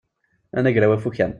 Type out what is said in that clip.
Anagraw afukan.